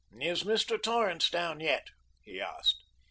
"Is Mr. Torrance down yet?" he asked.